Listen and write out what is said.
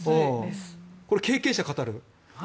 これは経験者語る。